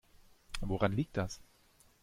Woran liegt das?